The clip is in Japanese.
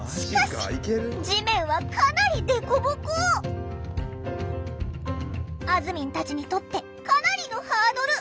しかしあずみんたちにとってかなりのハードル！